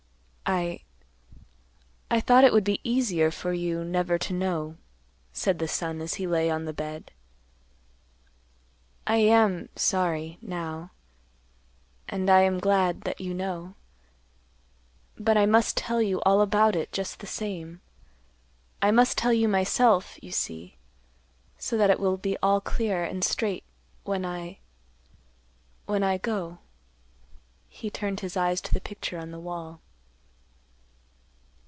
"I—I thought it would be easier for you never to know," said the son as he lay on the bed. "I am—sorry, now. And I am glad that you know. But I must tell you all about it just the same. I must tell you myself, you see, so that it will be all clear and straight when I—when I go." He turned his eyes to the picture on the wall.